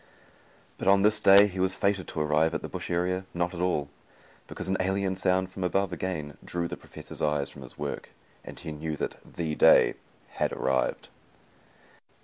But on this day, he was fated to arrive at the bush area not at all, because an alien sound from above again drew the Professor's eyes from his work, and he knew that the day had arrived.